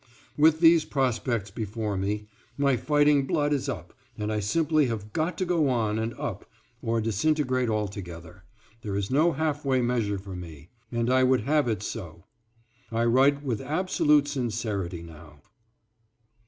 With these prospects before me, my fighting blood is up and I simply have got to go on and up or disintegrate altogether there is no halfway measure for me, and I would have it so. I write with absolute sincerity now.